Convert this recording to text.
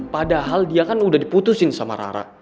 padahal dia kan udah diputusin sama rara